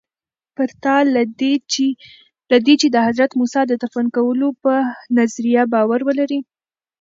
پرته له دې چې د حضرت موسی د دفن کولو په نظریه باور ولرئ.